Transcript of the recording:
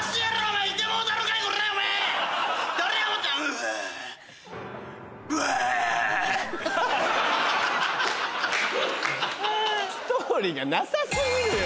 ストーリーがなさ過ぎるよ。